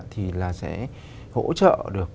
thì là sẽ hỗ trợ được